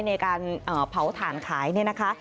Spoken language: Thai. ในการเผาถ่านขายเนี่ยนะคะ